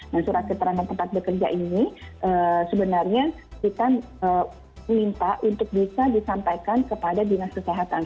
dan surat keterangan tempat bekerja ini sebenarnya kita minta untuk bisa disampaikan kepada dinas kesehatan